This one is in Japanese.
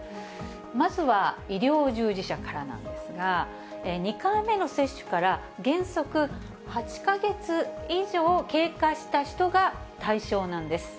まずは、医療従事者からなんですが、２回目の接種から原則８か月以上経過した人が対象なんです。